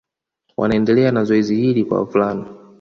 Wanaendelea na zoezi hili kwa wavulana